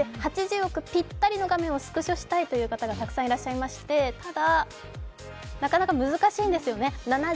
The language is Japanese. ８０億ぴったりの画面をスクショしたいという方がたくさんいましてただ、なかなか難しいんですよね。